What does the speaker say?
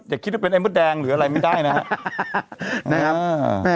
อย่าคิดว่าเป็นไอ้มือแดงหรืออะไรไม่ได้นะฮะนะครับอ่า